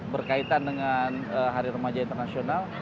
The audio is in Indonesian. berkaitan dengan hari remaja internasional